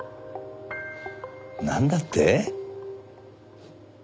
なんだって！？